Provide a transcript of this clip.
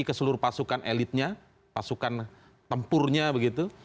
keseluruh pasukan elitnya pasukan tempurnya begitu